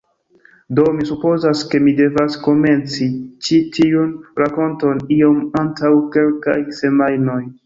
Do, mi supozas ke mi devas komenci ĉi tiun rakonton iom antaŭ kelkaj semajnoj